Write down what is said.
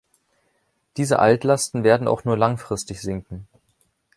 Diese Altlasten werden auch nur langfristig sinken.